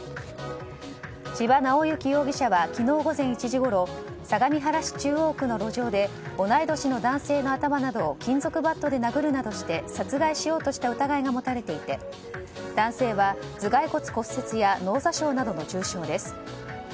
千葉直幸容疑者は昨日午前１時ごろ相模原市中央区の路上で同い年の男性の頭などを金属バットで殴るなどして殺害しようとした疑いが持たれていて男性は頭がい骨骨折や脳挫傷などの重傷です。